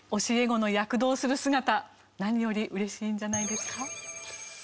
教え子の躍動する姿何より嬉しいんじゃないですか？